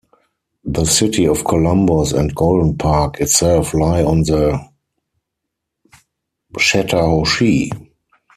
The city of Columbus and Golden Park itself lie on the Chattahoochee.